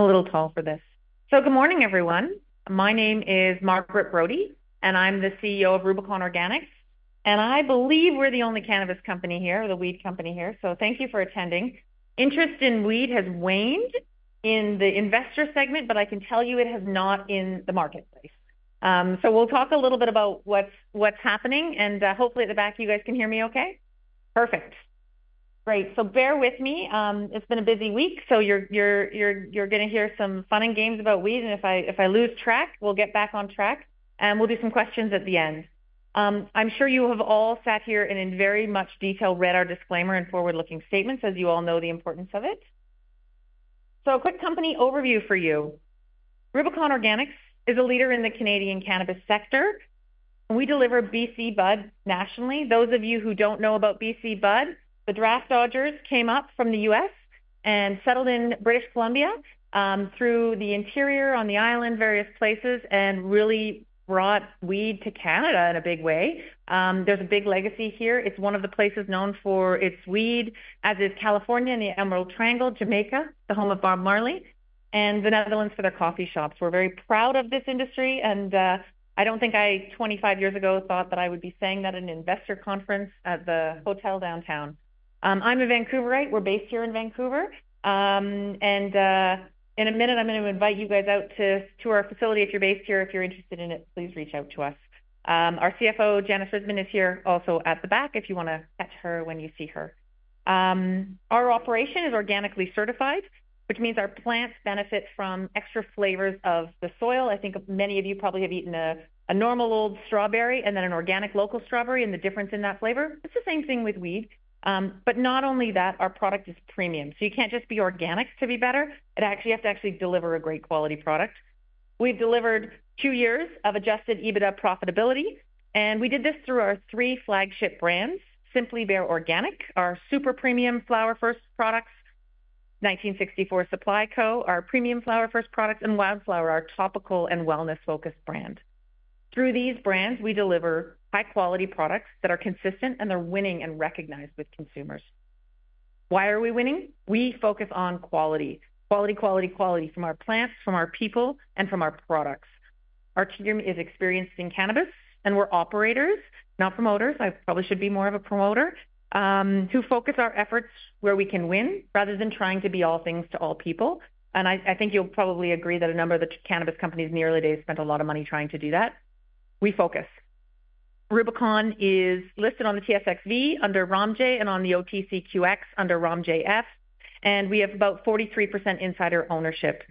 I'm a little tall for this. So good morning, everyone. My name is Margaret Brodie, and I'm the CEO of Rubicon Organics, and I believe we're the only cannabis company here, or the weed company here, so thank you for attending. Interest in weed has waned in the investor segment, but I can tell you it has not in the marketplace. So we'll talk a little bit about what's happening, and hopefully at the back, you guys can hear me okay? Perfect. Great. So bear with me. It's been a busy week, so you're gonna hear some fun and games about weed, and if I lose track, we'll get back on track, and we'll do some questions at the end. I'm sure you have all sat here and in very much detail, read our disclaimer and forward-looking statements, as you all know the importance of it. So a quick company overview for you. Rubicon Organics is a leader in the Canadian cannabis sector. We deliver BC Bud nationally. Those of you who don't know about BC Bud, the Draft Dodgers came up from the U.S. and settled in British Columbia, through the interior, on the island, various places, and really brought weed to Canada in a big way. There's a big legacy here. It's one of the places known for its weed, as is California and the Emerald Triangle, Jamaica, the home of Bob Marley, and the Netherlands for their coffee shops. We're very proud of this industry, and I don't think I, 25 years ago, thought that I would be saying that at an investor conference at the hotel downtown. I'm a Vancouverite. We're based here in Vancouver. And, in a minute, I'm gonna invite you guys out to our facility. If you're based here, if you're interested in it, please reach out to us. Our CFO, Janis Risbin, is here also at the back, if you wanna catch her when you see her. Our operation is organically certified, which means our plants benefit from extra flavors of the soil. I think many of you probably have eaten a normal old strawberry and then an organic local strawberry, and the difference in that flavor. It's the same thing with weed, but not only that, our product is premium. So you can't just be organic to be better, it actually has to actually deliver a great quality product. We've delivered two years of Adjusted EBITDA profitability, and we did this through our three flagship brands: Simply Bare Organic, our super premium flower-first products, 1964 Supply Co, our premium flower-first products, and Wildflower, our topical and wellness-focused brand. Through these brands, we deliver high-quality products that are consistent and are winning and recognized with consumers. Why are we winning? We focus on quality. Quality, quality, quality from our plants, from our people, and from our products. Our team is experienced in cannabis, and we're operators, not promoters, I probably should be more of a promoter, who focus our efforts where we can win, rather than trying to be all things to all people. I think you'll probably agree that a number of the cannabis companies in the early days spent a lot of money trying to do that. We focus. Rubicon is listed on the TSXV under ROMJ and on the OTCQX under ROMJF, and we have about 43% insider ownership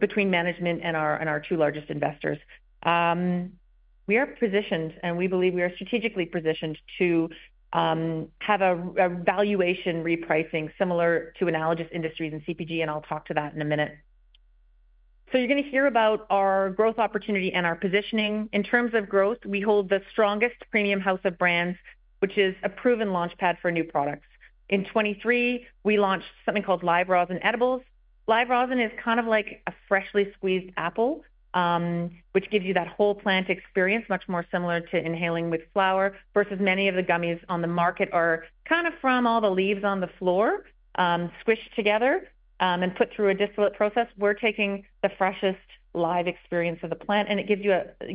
between management and our two largest investors. We are positioned, and we believe we are strategically positioned to have a valuation repricing similar to analogous industries in CPG, and I'll talk to that in a minute. So you're gonna hear about our growth opportunity and our positioning. In terms of growth, we hold the strongest premium house of brands, which is a proven launchpad for new products. In 2023, we launched something called Live Rosin edibles. Live Rosin is kind of like a freshly squeezed apple, which gives you that whole plant experience, much more similar to inhaling with flower, versus many of the gummies on the market are kind of from all the leaves on the floor, squished together, and put through a distillate process. We're taking the freshest live experience of the plant, and it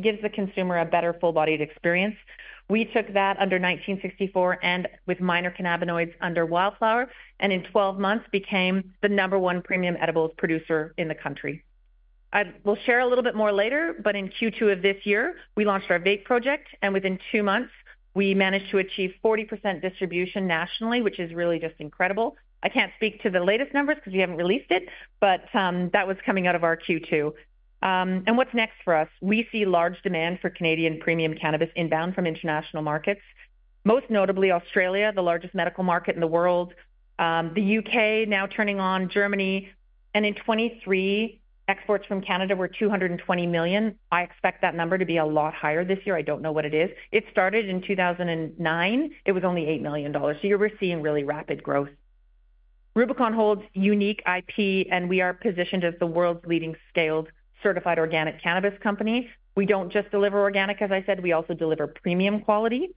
gives the consumer a better full-bodied experience. We took that under 1964 and with minor cannabinoids under Wildflower, and in 12 months, became the number one premium edibles producer in the country. I will share a little bit more later, but in Q2 of this year, we launched our vape project, and within 2 months, we managed to achieve 40% distribution nationally, which is really just incredible. I can't speak to the latest numbers because we haven't released it, but that was coming out of our Q2, and what's next for us? We see large demand for Canadian premium cannabis inbound from international markets, most notably Australia, the largest medical market in the world, the U.K. now turning on, Germany, and in 2023, exports from Canada were 220 million. I expect that number to be a lot higher this year. I don't know what it is. It started in 2009. It was only 8 million dollars, so you're receiving really rapid growth. Rubicon holds unique IP, and we are positioned as the world's leading scaled, certified organic cannabis company. We don't just deliver organic, as I said, we also deliver premium quality,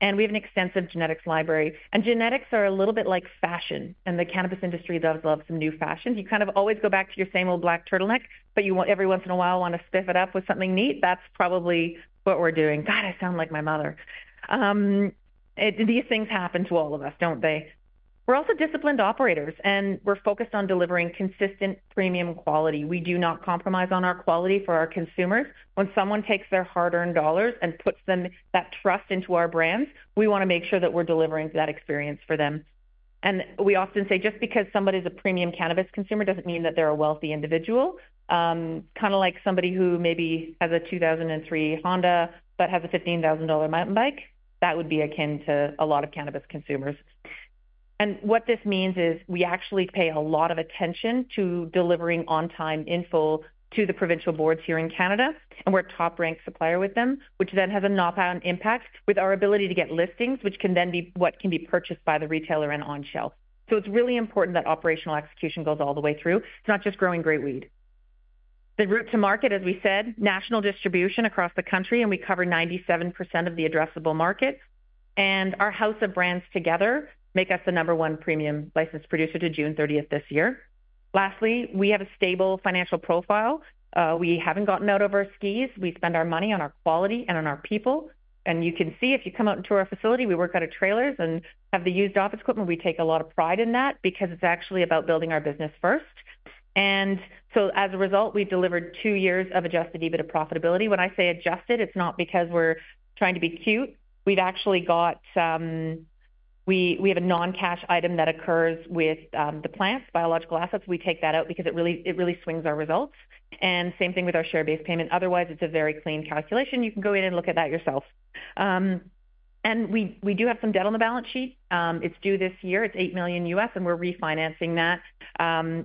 and we have an extensive genetics library. Genetics are a little bit like fashion, and the cannabis industry does love some new fashion. You kind of always go back to your same old black turtleneck, but you want every once in a while to spiff it up with something neat. That's probably what we're doing. God, I sound like my mother! These things happen to all of us, don't they? We're also disciplined operators, and we're focused on delivering consistent premium quality. We do not compromise on our quality for our consumers. When someone takes their hard-earned dollars and puts them that trust into our brands, we wanna make sure that we're delivering that experience for them. We often say, just because somebody's a premium cannabis consumer, doesn't mean that they're a wealthy individual. Kind of like somebody who maybe has a 2003 Honda, but has a 15,000 dollar mountain bike, that would be akin to a lot of cannabis consumers. What this means is, we actually pay a lot of attention to delivering on-time, in full, to the provincial boards here in Canada, and we're a top-ranked supplier with them, which then has a knock-on impact with our ability to get listings, which can then be what can be purchased by the retailer and on shelf. So it's really important that operational execution goes all the way through. It's not just growing great weed. The route to market, as we said, national distribution across the country, and we cover 97% of the addressable market. Our house of brands together make us the number one premium licensed producer to June 30th this year. Lastly, we have a stable financial profile. We haven't gotten out over our skis. We spend our money on our quality and on our people, and you can see if you come out and tour our facility, we work out of trailers and have the used office equipment. We take a lot of pride in that because it's actually about building our business first. And so as a result, we delivered two years of Adjusted EBITDA profitability. When I say adjusted, it's not because we're trying to be cute. We've actually got, we have a non-cash item that occurs with, the plants, biological assets. We take that out because it really, it really swings our results, and same thing with our share-based payment. Otherwise, it's a very clean calculation. You can go in and look at that yourself. And we do have some debt on the balance sheet. It's due this year. It's $8 million, and we're refinancing that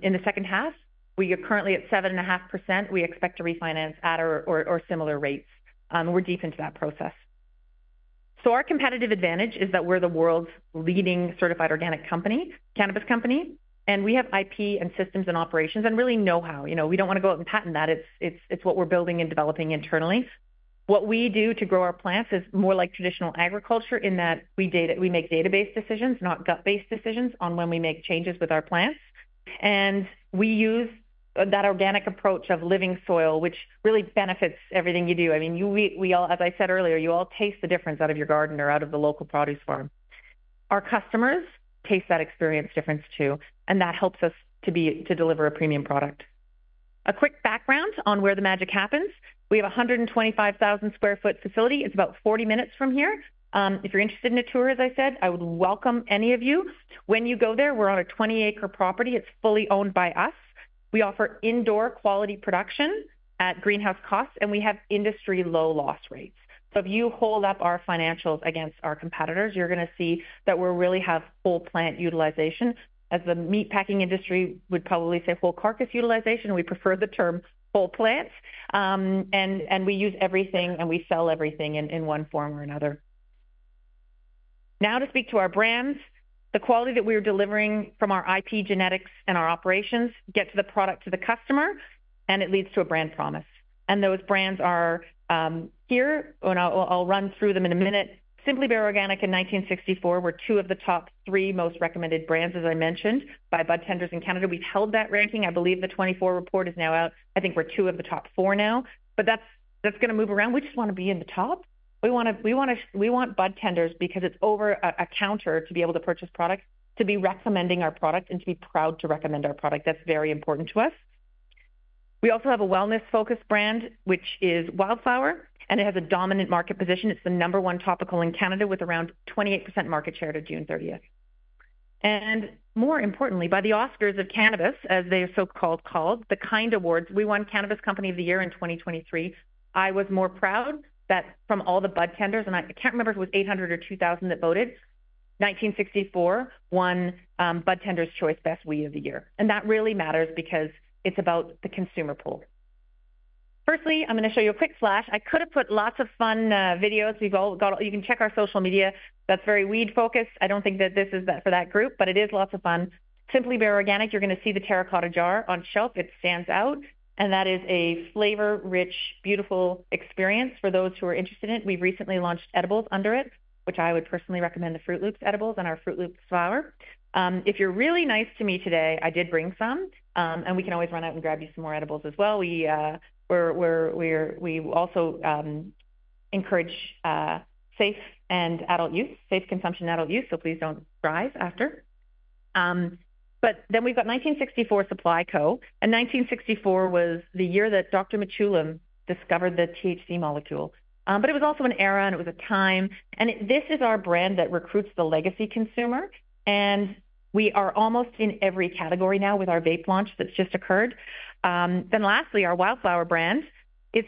in the second half. We are currently at 7.5%. We expect to refinance at or similar rates, and we're deep into that process. So our competitive advantage is that we're the world's leading certified organic company, cannabis company, and we have IP and systems and operations and real know-how. You know, we don't want to go out and patent that. It's what we're building and developing internally. What we do to grow our plants is more like traditional agriculture, in that we make data-based decisions, not gut-based decisions, on when we make changes with our plants. And we use that organic approach of living soil, which really benefits everything you do. I mean, you, we all. As I said earlier, you all taste the difference out of your garden or out of the local produce farm. Our customers taste that experience difference, too, and that helps us to deliver a premium product. A quick background on where the magic happens. We have a 125,000sq ft facility. It's about 40 minutes from here. If you're interested in a tour, as I said, I would welcome any of you. When you go there, we're on a 20-acre property. It's fully owned by us. We offer indoor quality production at greenhouse costs, and we have industry-low loss rates. So if you hold up our financials against our competitors, you're gonna see that we really have full plant utilization. As the meatpacking industry would probably say, full carcass utilization. We prefer the term full plants, and we use everything, and we sell everything in one form or another. Now to speak to our brands, the quality that we are delivering from our IP genetics and our operations get to the product to the customer, and it leads to a brand promise, and those brands are here, and I'll run through them in a minute. Simply Bare Organic and 1964 were two of the top three most recommended brands, as I mentioned, by budtenders in Canada. We've held that ranking. I believe the 2024 report is now out. I think we're two of the top four now, but that's gonna move around. We just want to be in the top. We wanna... We want budtenders, because it's over a counter, to be able to purchase product, to be recommending our product and to be proud to recommend our product. That's very important to us. We also have a wellness-focused brand, which is Wildflower, and it has a dominant market position. It's the number one topical in Canada with around 28% market share to June thirtieth, and more importantly, by the Oscars of Cannabis, as they are so-called, the Kind Awards, we won Cannabis Company of the Year in 2023. I was more proud that from all the budtenders, and I can't remember if it was 800 or 2,000 that voted, 1964 won Budtenders Choice Best Weed of the Year, and that really matters because it's about the consumer pool. Firstly, I'm gonna show you a quick flash. I could have put lots of fun videos. We've all got. You can check our social media. That's very weed-focused. I don't think that this is that, for that group, but it is lots of fun. Simply Bare Organic, you're gonna see the terracotta jar on shelf. It stands out, and that is a flavor-rich, beautiful experience for those who are interested in it. We've recently launched edibles under it, which I would personally recommend the Fruit Loopz edibles and our Fruit Loopz Flower. If you're really nice to me today, I did bring some, and we can always run out and grab you some more edibles as well. We also encourage safe and adult use, safe consumption and adult use, so please don't drive after. But then we've got 1964 Supply Co. 1964 was the year that Dr. Mechoulam discovered the THC molecule. But it was also an era, and it was a time, this is our brand that recruits the legacy consumer, and we are almost in every category now with our vape launch that's just occurred. Then lastly, our Wildflower brand. It's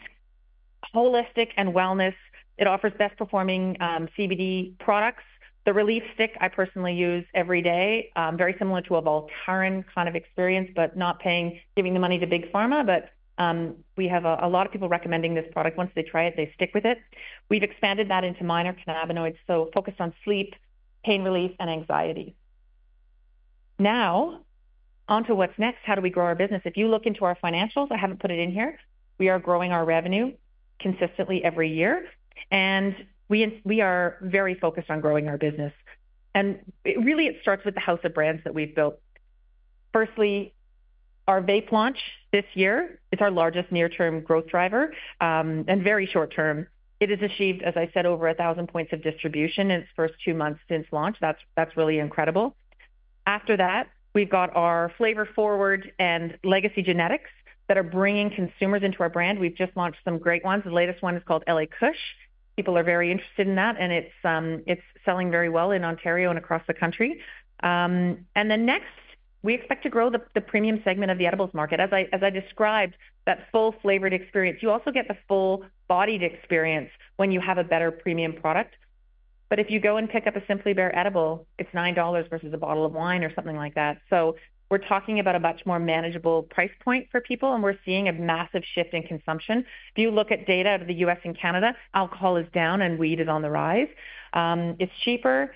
holistic and wellness. It offers best-performing CBD products. The Relief Stick I personally use every day, very similar to a Voltaren kind of experience, but not paying, giving the money to Big Pharma. But we have a lot of people recommending this product. Once they try it, they stick with it. We've expanded that into minor cannabinoids, so focused on sleep, pain relief, and anxiety. Now, onto what's next. How do we grow our business? If you look into our financials, I haven't put it in here, we are growing our revenue consistently every year, and we are very focused on growing our business. And it really starts with the house of brands that we've built. Firstly, our vape launch this year is our largest near-term growth driver, and very short term. It has achieved, as I said, over a thousand points of distribution in its first two months since launch. That's really incredible. After that, we've got our flavor-forward and legacy genetics that are bringing consumers into our brand. We've just launched some great ones. The latest one is called LA Kush. People are very interested in that, and it's selling very well in Ontario and across the country. And then next, we expect to grow the premium segment of the edibles market. As I described, that full-flavored experience. You also get the full-bodied experience when you have a better premium product. But if you go and pick up a Simply Bare edible, it's 9 dollars versus a bottle of wine or something like that. So we're talking about a much more manageable price point for people, and we're seeing a massive shift in consumption. If you look at data out of the U.S. and Canada, alcohol is down, and weed is on the rise. It's cheaper.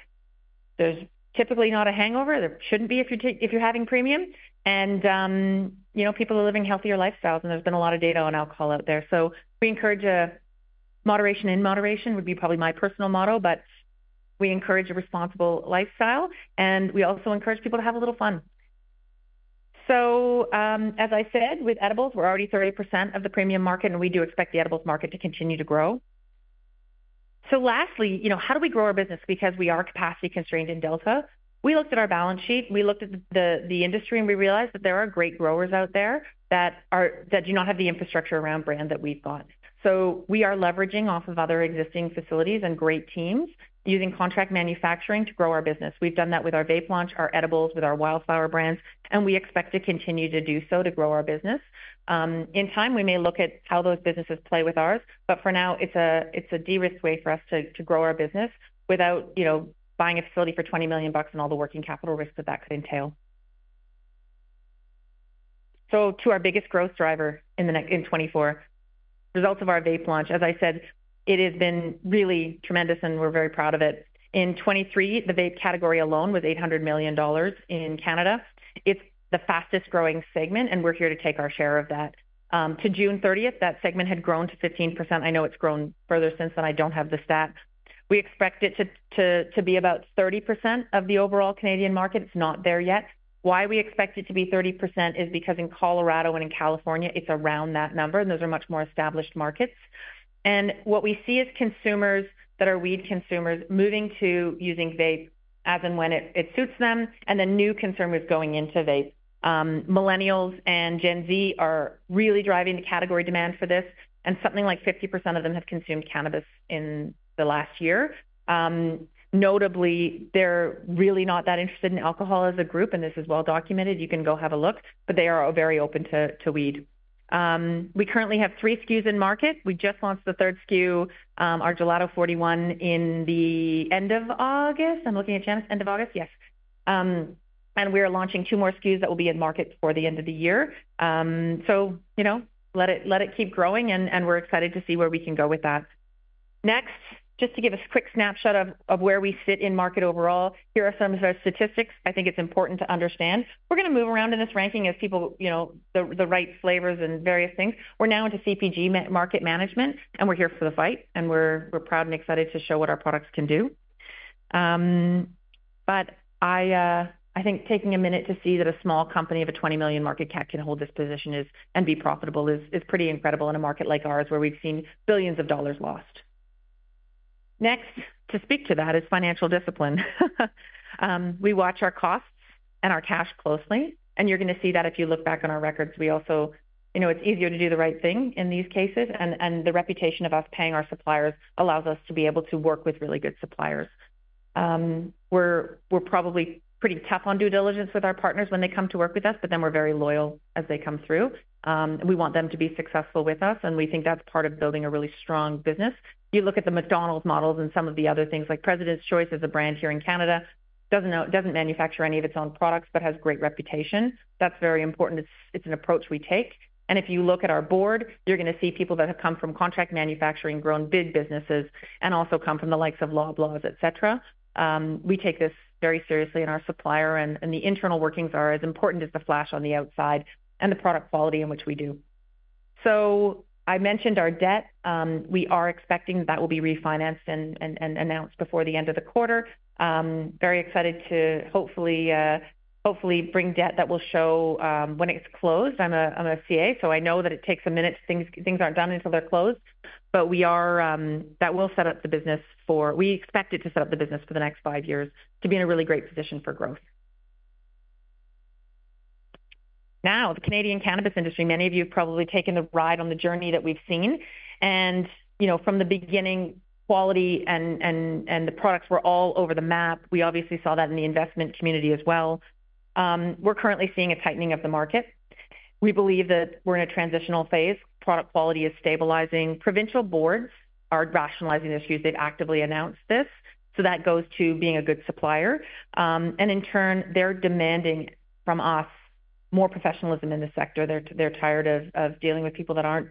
There's typically not a hangover. There shouldn't be if you're having premium, and, you know, people are living healthier lifestyles, and there's been a lot of data on alcohol out there. So we encourage a moderation in moderation, would be probably my personal motto, but we encourage a responsible lifestyle, and we also encourage people to have a little fun. So, as I said, with edibles, we're already 30% of the premium market, and we do expect the edibles market to continue to grow. So lastly, you know, how do we grow our business? Because we are capacity constrained in Delta. We looked at our balance sheet, we looked at the, the industry, and we realized that there are great growers out there that do not have the infrastructure around brand that we've got. So we are leveraging off of other existing facilities and great teams, using contract manufacturing to grow our business. We've done that with our vape launch, our edibles, with our Wildflower brands, and we expect to continue to do so to grow our business. In time, we may look at how those businesses play with ours, but for now, it's a, it's a de-risk way for us to, to grow our business without, you know, buying a facility for 20 million bucks and all the working capital risks that could entail. So to our biggest growth driver in 2024, results of our vape launch. As I said, it has been really tremendous, and we're very proud of it. In 2023, the vape category alone was 800 million dollars in Canada. It's the fastest growing segment, and we're here to take our share of that. To June 30th, that segment had grown to 15%. I know it's grown further since then. I don't have the stats. We expect it to be about 30% of the overall Canadian market. It's not there yet. Why we expect it to be 30% is because in Colorado and in California, it's around that number, and those are much more established markets, and what we see is consumers that are weed consumers moving to using vape as and when it suits them, and then new consumers going into vape. Millennials and Gen Z are really driving the category demand for this, and something like 50% of them have consumed cannabis in the last year. Notably, they're really not that interested in alcohol as a group, and this is well documented. You can go have a look, but they are all very open to weed. We currently have three SKUs in market. We just launched the third SKU, our Gelato 41, in the end of August. I'm looking at Janis. End of August? Yes, and we are launching two more SKUs that will be in market before the end of the year. So, you know, let it, let it keep growing, and, and we're excited to see where we can go with that. Next, just to give a quick snapshot of where we sit in market overall, here are some of our statistics. I think it's important to understand. We're gonna move around in this ranking as people... you know, the, the right flavors and various things. We're now into CPG market management, and we're here for the fight, and we're, we're proud and excited to show what our products can do. But I think taking a minute to see that a small company of a 20 million market cap can hold this position and be profitable is pretty incredible in a market like ours, where we've seen billions of dollars lost. Next to speak to that is financial discipline. We watch our costs and our cash closely, and you're gonna see that if you look back on our records. We also you know, it's easier to do the right thing in these cases, and the reputation of us paying our suppliers allows us to be able to work with really good suppliers. We're probably pretty tough on due diligence with our partners when they come to work with us, but then we're very loyal as they come through. We want them to be successful with us, and we think that's part of building a really strong business. You look at the McDonald's models and some of the other things, like President's Choice as a brand here in Canada, doesn't manufacture any of its own products, but has great reputation. That's very important. It's an approach we take. And if you look at our board, you're gonna see people that have come from contract manufacturing, grown big businesses, and also come from the likes of Loblaws, et cetera. We take this very seriously, and our supplier and the internal workings are as important as the flash on the outside and the product quality in which we do. So I mentioned our debt. We are expecting that will be refinanced and announced before the end of the quarter. Very excited to hopefully bring debt that will show when it's closed. I'm a CA, so I know that it takes a minute. Things aren't done until they're closed. But we are. That will set up the business. We expect it to set up the business for the next five years to be in a really great position for growth. Now, the Canadian cannabis industry, many of you have probably taken a ride on the journey that we've seen, and you know, from the beginning, quality and the products were all over the map. We obviously saw that in the investment community as well. We're currently seeing a tightening of the market. We believe that we're in a transitional phase. Product quality is stabilizing. Provincial boards are rationalizing issues. They've actively announced this, so that goes to being a good supplier, and in turn, they're demanding from us more professionalism in the sector. They're tired of dealing with people that aren't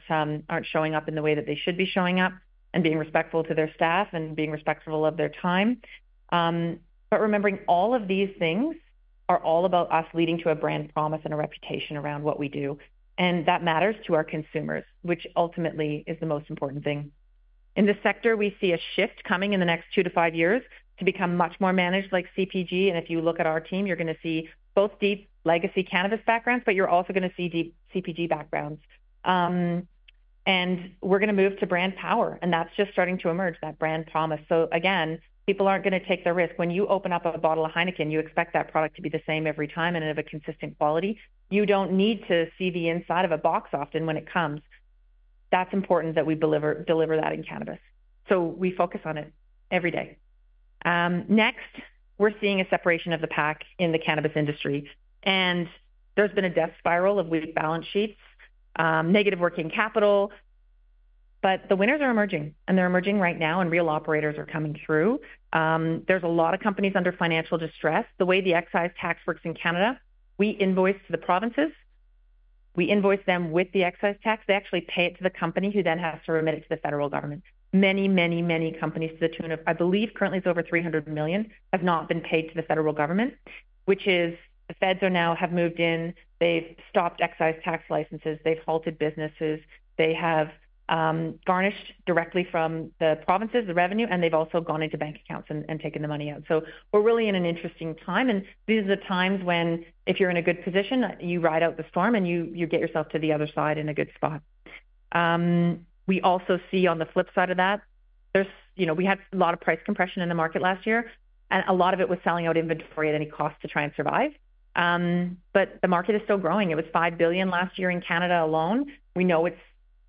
showing up in the way that they should be showing up and being respectful to their staff and being respectful of their time, but remembering all of these things are all about us leading to a brand promise and a reputation around what we do, and that matters to our consumers, which ultimately is the most important thing. In this sector, we see a shift coming in the next two to five years to become much more managed like CPG, and if you look at our team, you're gonna see both deep legacy cannabis backgrounds, but you're also gonna see deep CPG backgrounds. And we're gonna move to brand power, and that's just starting to emerge, that brand promise. So again, people aren't gonna take the risk. When you open up a bottle of Heineken, you expect that product to be the same every time and of a consistent quality. You don't need to see the inside of a box often when it comes. That's important that we deliver that in cannabis, so we focus on it every day. Next, we're seeing a separation of the pack in the cannabis industry, and there's been a death spiral of weak balance sheets, negative working capital, but the winners are emerging, and they're emerging right now, and real operators are coming through. There's a lot of companies under financial distress. The way the excise tax works in Canada, we invoice to the provinces. We invoice them with the excise tax. They actually pay it to the company, who then has to remit it to the federal government. Many, many, many companies, to the tune of, I believe, currently it's over 300 million, have not been paid to the federal government, which is, the feds are now have moved in. They've stopped excise tax licenses, they've halted businesses, they have garnished directly from the provinces the revenue, and they've also gone into bank accounts and taken the money out. So we're really in an interesting time, and these are the times when if you're in a good position, you ride out the storm and you get yourself to the other side in a good spot. We also see on the flip side of that, there's, you know, we had a lot of price compression in the market last year, and a lot of it was selling out inventory at any cost to try and survive, but the market is still growing. It was 5 billion last year in Canada alone. We know it's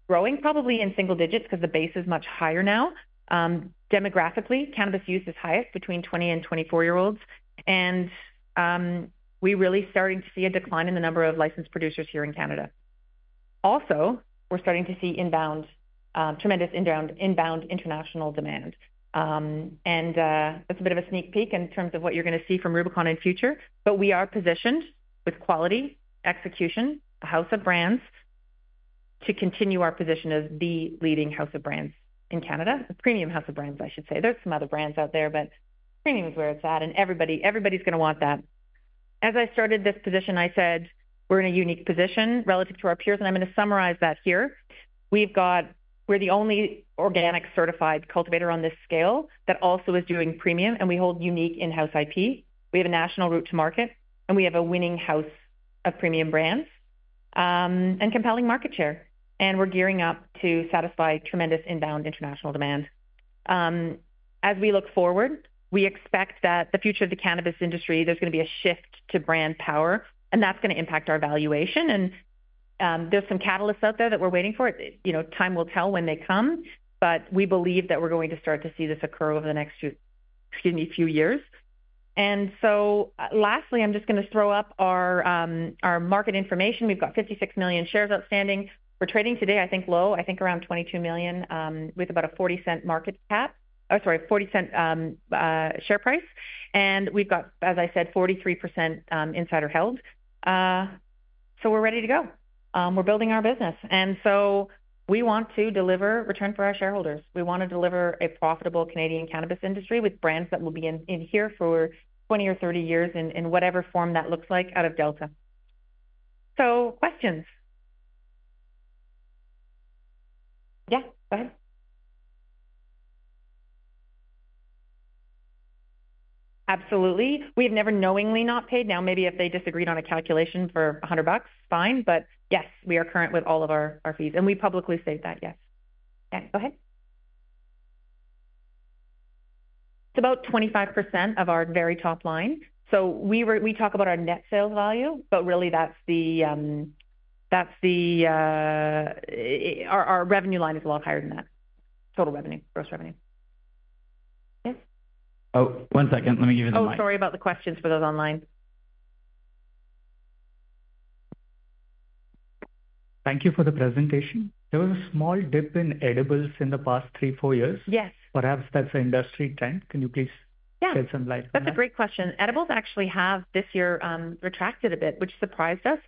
growing probably in single digits because the base is much higher now. Demographically, cannabis use is highest between 20 and 24 year olds, and we really starting to see a decline in the number of licensed producers here in Canada. Also, we're starting to see tremendous inbound international demand, and that's a bit of a sneak peek in terms of what you're going to see from Rubicon in future. But we are positioned with quality, execution, a house of brands, to continue our position as the leading house of brands in Canada. A premium house of brands, I should say. There are some other brands out there, but premium is where it's at, and everybody, everybody's going to want that. As I started this position, I said, "We're in a unique position relative to our peers," and I'm going to summarize that here. We're the only organic certified cultivator on this scale that also is doing premium, and we hold unique in-house IP. We have a national route to market, and we have a winning house of premium brands, and compelling market share, and we're gearing up to satisfy tremendous inbound international demand. As we look forward, we expect that the future of the cannabis industry, there's going to be a shift to brand power, and that's going to impact our valuation, and there's some catalysts out there that we're waiting for. You know, time will tell when they come, but we believe that we're going to start to see this occur over the next two, excuse me, few years. And so lastly, I'm just going to throw up our market information. We've got 56 million shares outstanding. We're trading today, I think, low, I think around 22 million with about a 0.40 market cap. Oh, sorry, a CAD 0.40 share price. And we've got, as I said, 43% insider held. So we're ready to go. We're building our business, and so we want to deliver return for our shareholders. We want to deliver a profitable Canadian cannabis industry with brands that will be in here for 20 or 30 years in whatever form that looks like out of Delta. So, questions? Yeah, go ahead. Absolutely. We have never knowingly not paid. Now, maybe if they disagreed on a calculation for 100 bucks, fine, but yes, we are current with all of our fees, and we publicly say that, yes. Yeah, go ahead. It's about 25% of our very top line. So we talk about our net sales value, but really, that's the. Our revenue line is a lot higher than that. Total revenue, gross revenue. Yes? Oh, one second. Let me give you the mic. Oh, sorry about the questions for those online. Thank you for the presentation. There was a small dip in edibles in the past three, four years. Yes. Perhaps that's an industry trend. Can you please- Yeah. Shed some light on that? That's a great question. Edibles actually have, this year, retracted a bit, which surprised us.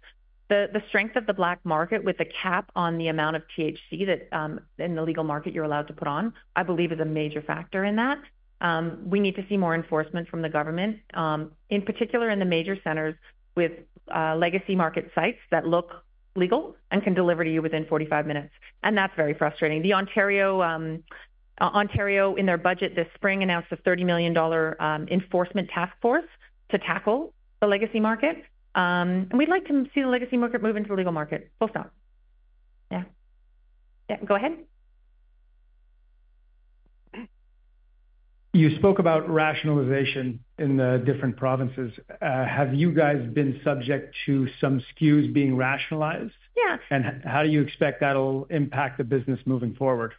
The strength of the black market with a cap on the amount of THC that, in the legal market you're allowed to put on, I believe, is a major factor in that. We need to see more enforcement from the government, in particular in the major centers with legacy market sites that look legal and can deliver to you within 45 minutes, and that's very frustrating. Ontario, in their budget this spring, announced a 30 million dollar enforcement task force to tackle the legacy market. And we'd like to see the legacy market move into the legal market, full stop. Yeah. Yeah, go ahead. You spoke about rationalization in the different provinces. Have you guys been subject to some SKUs being rationalized? Yeah. How do you expect that'll impact the business moving forward?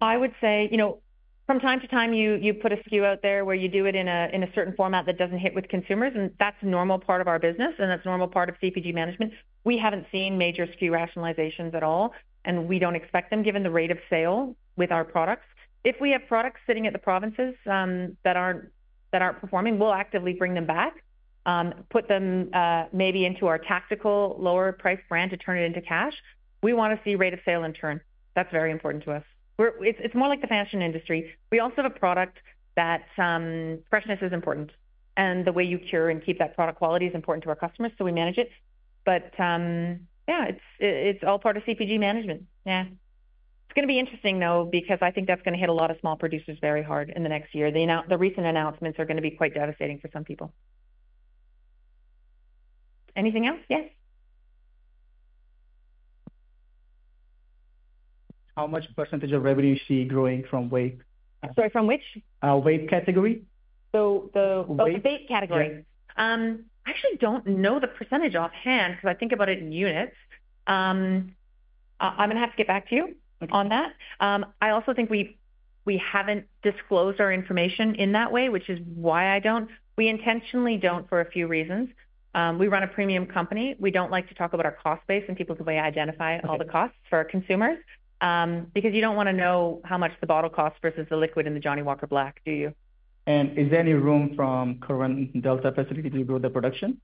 I would say, you know, from time to time, you put a SKU out there where you do it in a certain format that doesn't hit with consumers, and that's a normal part of our business, and that's a normal part of CPG management. We haven't seen major SKU rationalizations at all, and we don't expect them, given the rate of sale with our products. If we have products sitting at the provinces, that aren't performing, we'll actively bring them back, put them, maybe into our tactical lower price brand to turn it into cash. We want to see rate of sale and turn. That's very important to us. It's more like the fashion industry. We also have a product that freshness is important, and the way you cure and keep that product quality is important to our customers, so we manage it. But, yeah, it's all part of CPG management. Yeah. It's going to be interesting, though, because I think that's going to hit a lot of small producers very hard in the next year. The recent announcements are going to be quite devastating for some people. Anything else? Yes. How much percentage of revenue you see growing from vape? Sorry, from which? Vape category. So the- Vape. Oh, the vape category. Yeah. I actually don't know the percentage offhand, because I think about it in units. I'm going to have to get back to you on that. Okay. I also think we haven't disclosed our information in that way, which is why I don't... We intentionally don't, for a few reasons. We run a premium company. We don't like to talk about our cost base, and people can maybe identify all the costs- Okay. -For our consumers. Because you don't want to know how much the bottle costs versus the liquid in the Johnnie Walker Black, do you? Is there any room from current Delta specifically to grow the production?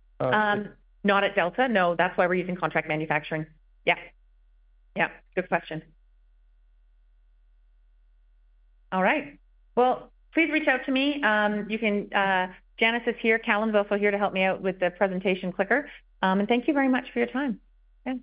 Not at Delta, no. That's why we're using contract manufacturing. Yeah. Yeah, good question. All right. Please reach out to me. You can. Janis is here. Callan is also here to help me out with the presentation clicker. Thank you very much for your time. Yeah, bye.